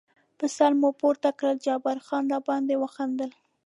پر سر مو پورته کړل، جبار خان را باندې وخندل.